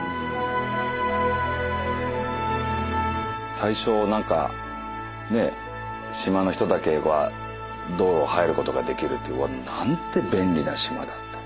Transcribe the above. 最初何かね島の人だけは道路入ることができるってなんて便利な島だって。